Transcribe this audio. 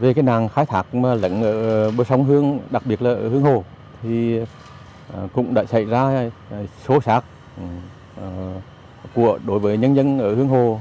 về cái nạn khai thác lẫn bờ sông hương đặc biệt là ở hương hồ thì cũng đã xảy ra số sạt của đối với nhân dân ở hương hồ